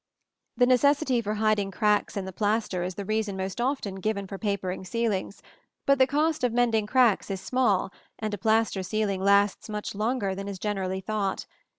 The necessity for hiding cracks in the plaster is the reason most often given for papering ceilings; but the cost of mending cracks is small and a plaster ceiling lasts much longer than is generally thought.